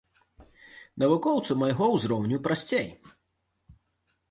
Навукоўцу майго ўзроўню прасцей.